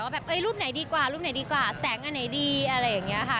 แบบรูปไหนดีกว่ารูปไหนดีกว่าแสงอันไหนดีอะไรอย่างนี้ค่ะ